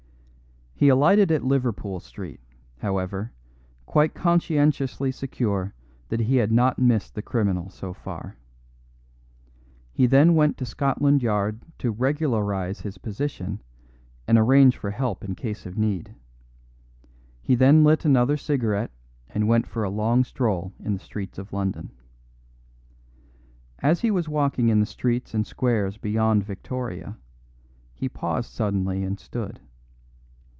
He alighted at Liverpool Street, however, quite conscientiously secure that he had not missed the criminal so far. He then went to Scotland Yard to regularise his position and arrange for help in case of need; he then lit another cigarette and went for a long stroll in the streets of London. As he was walking in the streets and squares beyond Victoria, he paused suddenly and stood.